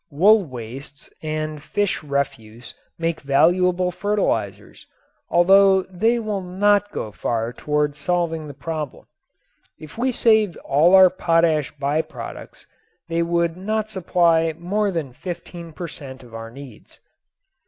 Wool wastes and fish refuse make valuable fertilizers, although they will not go far toward solving the problem. If we saved all our potash by products they would not supply more than fifteen per cent. of our needs.